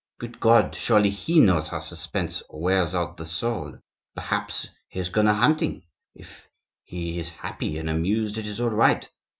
Good God! surely he knows how suspense wears out the soul! Perhaps he has gone a hunting? If he is happy and amused, it is all right.